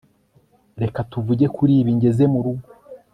Reka tuvuge kuri ibi ngeze murugo